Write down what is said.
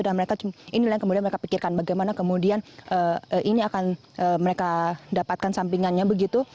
dan mereka inilah yang kemudian mereka pikirkan bagaimana kemudian ini akan mereka dapatkan sampingannya begitu